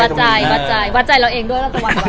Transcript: วัดใจวัดใจวัดใจเราเองด้วย